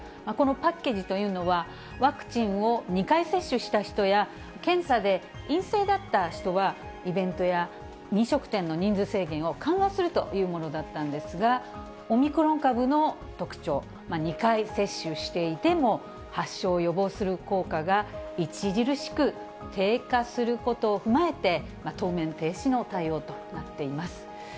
このパッケージというのは、ワクチンを２回接種した人や検査で陰性だった人は、イベントや飲食店の人数制限を緩和するというものだったんですが、オミクロン株の特徴、２回接種していても発症予防する効果が著しく低下することを踏まえて、当面、停止の対応となっています。